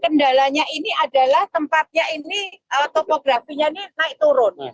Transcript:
kendalanya ini adalah tempatnya ini topografinya ini naik turun